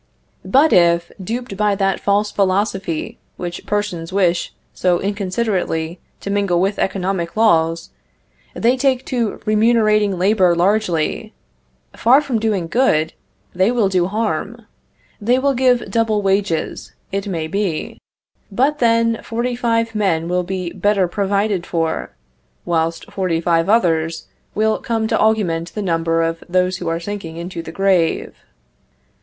But if, duped by that false philosophy which persons wish so inconsiderately to mingle with economic laws, they take to remunerating labor largely, far from doing good, they will do harm. They will give double wages, it may be. But then, forty five men will be better provided for, whilst forty five others will come to augment the number of those who are sinking into the grave.